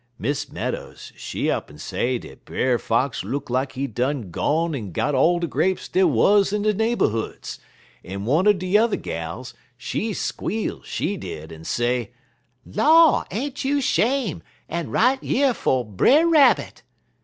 Miss Meadows, she up'n say dat Brer Fox look like he done gone en got all de grapes dey wuz in de neighborhoods, en one er de yuther gals, she squeal, she did, en say: "'Law, ain't you 'shame', en right yer 'fo' Brer Rabbit!'